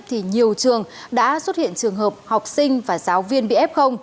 thì nhiều trường đã xuất hiện trường hợp học sinh và giáo viên bị f